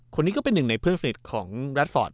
คนนี้ก็เป็นหนึ่งในเพื่อนสนิทของแรดฟอร์ต